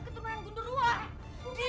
bukan keturunan gendruwo